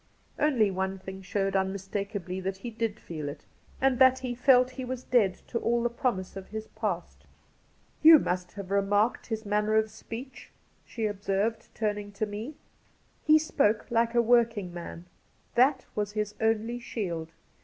' Only one thing showed unmistakably that he did feel it, and that he felt he was dead to all the promise of his past. You must have remarked his manner of speech ?' she observed, turning to me. * He spoke like a working man. That was his only shield.